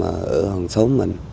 ở hàng xóm mình